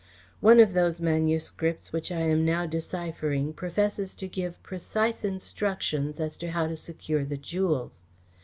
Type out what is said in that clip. One of those manuscripts which I am now deciphering professes to give precise instructions as to how to secure the jewels.